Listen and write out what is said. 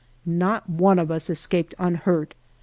Not one of us escaped unhurt.